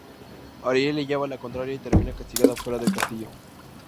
Ariel le lleva la contraria y termina castigada fuera del castillo.